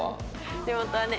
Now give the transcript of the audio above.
地元はね